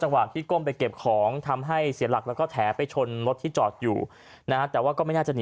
จังหวะอาทิตย์ก้มไปเก็บของทำให้เซียหลักแล้วก็แถไปชนรถที่จอดอยู่นะแต่ว่าก็ไม่น่าจะ